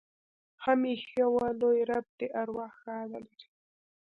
هم ایښي وه. لوى رب دې ارواح ښاده لري.